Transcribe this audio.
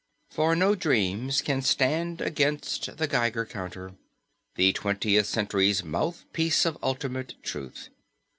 For no dreams can stand against the Geiger counter, the Twentieth Century's mouthpiece of ultimate truth.